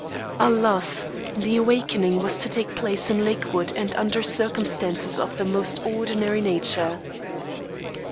Alas! the awakening was to take place in Lakewood and under circumstances of the most ordinary nature.